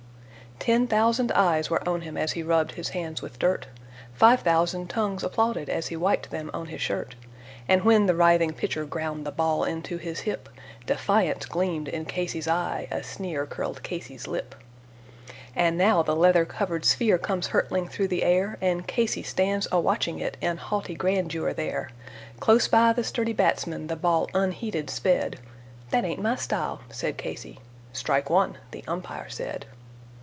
Ten thousand eyes were on him as he rubbed his hands with dirt, Five thousand tongues applauded as he wiped them on his shirt. And when the writhing pitcher ground the ball into his hip, Defiance gleamed in Casey's eye; a sneer curled Casey's lip. And now the leather covered sphere comes hurtling through the air, And Casey stands a watching it in haughty grandeur there. Close by the sturdy batsman the ball unheeded sped "That ain't my style," said Casey. "Strike one," the umpire said.